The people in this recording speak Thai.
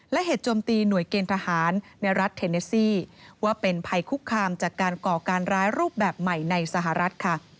และเหตุโจมตีหน่วยเกณฑ์ทหารในรัฐเทเนซี่ว่าเป็นภัยคุกคามจากการก่อการร้ายรูปแบบใหม่ในสหรัฐค่ะ